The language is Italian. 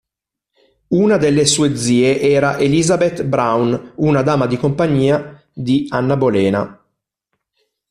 Una delle sue zie era Elizabeth Browne, una dama di compagnia di Anna Bolena.